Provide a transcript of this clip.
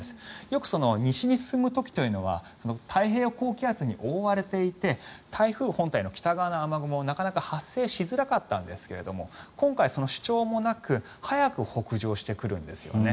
よく西に進む時というのは太平洋高気圧に覆われていて台風本体の北側の雨雲はなかなか発生しづらかったんですが今回、その主張も早く北上してくるんですよね。